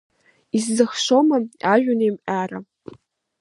Исзыхашома ажәҩан еимҟьара?